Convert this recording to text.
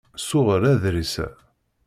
Ssuɣel aḍṛis-a.